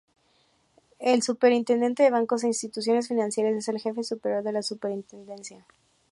El superintendente de Bancos e Instituciones Financieras es el jefe superior de la Superintendencia.